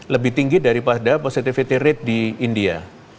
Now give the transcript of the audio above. lebih tinggi daripada positivity rate di india